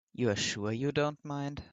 You're sure you don't mind?